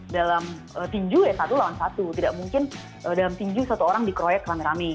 dalam tinju ya satu lawan satu tidak mungkin dalam tinju satu orang dikeroyok rame rame